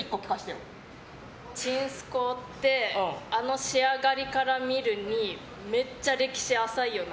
ちんすこうってあの仕上がりから見るにめっちゃ歴史浅いよな。